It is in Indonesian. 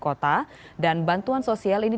kota dan bantuan sosial ini